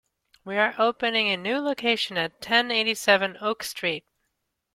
We are opening the a new location at ten eighty-seven Oak Street.